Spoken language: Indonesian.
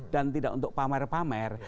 dan tidak untuk pamer pamer